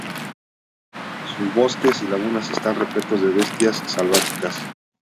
Sus bosques y lagunas están repletos de bestias selváticas.